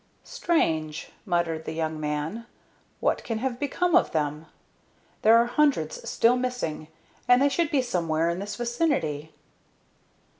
"Strange!" muttered the young man. "What can have become of them? There are hundreds still missing, and they should be somewhere in this vicinity."